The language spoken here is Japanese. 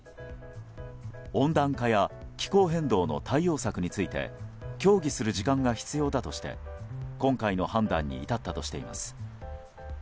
温暖化や気候変動の対応策について協議する時間が必要だとして今回の判断に至ったとしています。